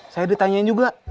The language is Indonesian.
saya ditanyain juga